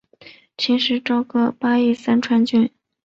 秦时朝歌邑属三川郡。